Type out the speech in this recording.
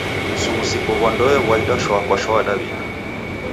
Msughusiko ghwa ndoe ghwaida shwa kwa shwa Daw'ida.